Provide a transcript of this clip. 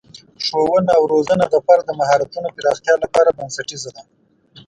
ښوونه او روزنه د فرد د مهارتونو پراختیا لپاره بنسټیزه ده.